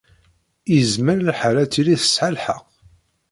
Yezmer lḥal ad tili tesɛa lḥeqq.